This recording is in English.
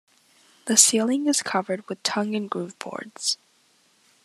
The ceiling is covered with tongue-in-groove boards.